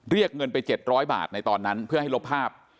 เรียกเงินไป๗๐๐บาทในตอนนั้นเพื่อให้ลบภาพ